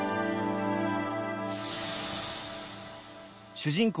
主人公